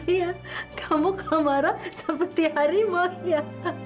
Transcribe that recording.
iya kamu kalau marah seperti harimau ya